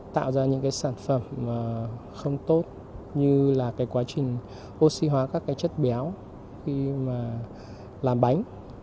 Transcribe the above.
tạo ra những cái sản phẩm không tốt như là cái quá trình oxy hóa các cái chất béo khi mà làm bánh